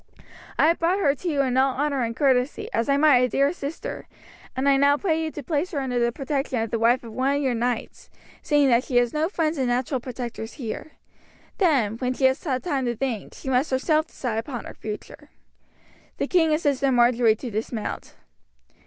I have brought her to you in all honour and courtesy, as I might a dear sister, and I now pray you to place her under the protection of the wife of one of your knights, seeing that she has no friends and natural protectors here. Then, when she has time to think, she must herself decide upon her future." The king assisted Marjory to dismount.